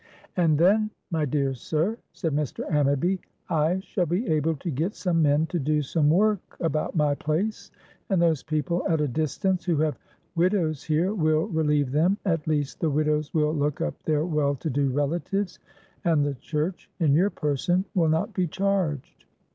"And then, my dear sir," said Mr. Ammaby, "I shall be able to get some men to do some work about my place, and those people at a distance who have widows here will relieve them (at least the widows will look up their well to do relatives), and the Church, in your person, will not be charged.